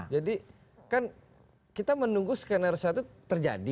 jadi kan kita menunggu skenario satu terjadi